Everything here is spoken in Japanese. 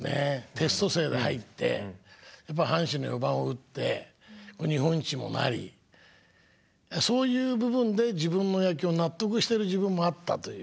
テスト生で入って阪神の４番を打って日本一もなりそういう部分で自分の野球を納得してる自分もあったという。